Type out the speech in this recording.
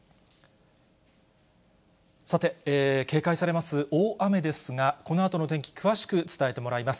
さて、警戒されます大雨ですが、このあとの天気、詳しく伝えてもらいます。